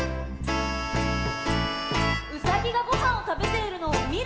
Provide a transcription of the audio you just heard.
「うさぎがごはんをたべているのをみる」